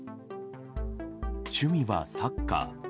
趣味はサッカー。